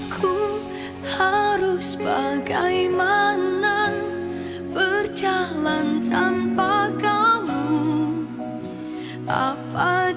tunggu ya kalau ujian talinya lagi put